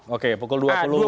oke pukul dua puluh